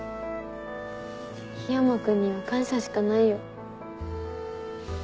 緋山君には感謝しかないよ。